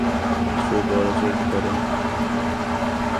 تر څو چې کولای شئ کار وکړئ.